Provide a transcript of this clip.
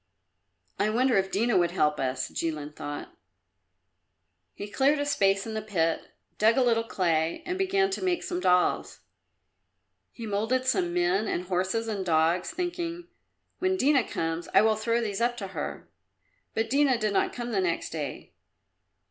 "I wonder if Dina would help us?" Jilin thought. He cleared a space in the pit, dug a little clay and began to make some dolls. He moulded some men and horses and dogs, thinking, "When Dina comes, I will throw these up to her." But Dina did not come the next day.